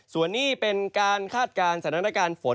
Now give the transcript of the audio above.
ส่วนนี้เป็นการคาดการณ์สถานการณ์ฝน